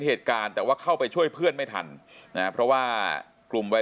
เหตุการณ์แต่ว่าเข้าไปช่วยเพื่อนไม่ทันนะเพราะว่ากลุ่มวัย